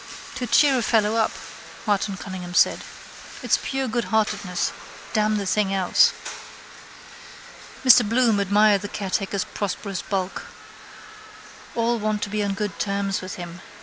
—To cheer a fellow up, Martin Cunningham said. It's pure goodheartedness: damn the thing else. Mr Bloom admired the caretaker's prosperous bulk. All want to be on good terms with him.